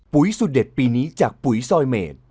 สุดเด็ดปีนี้จากปุ๋ยซอยเมด